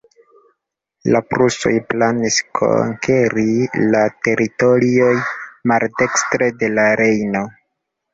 La prusoj planis konkeri la teritorioj maldekstre de la Rejno.